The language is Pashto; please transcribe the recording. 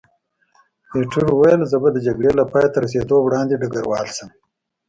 ایټور وویل، زه به د جګړې له پایته رسېدو وړاندې ډګروال شم.